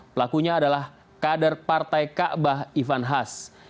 pelakunya adalah kader partai kaabah ivan has